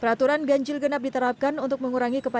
peraturan ganjil genap diterapkan untuk menggunakan plat nomor genap